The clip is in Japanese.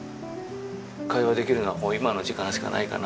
会話できるのはこの今の時間しかないかなみたいな。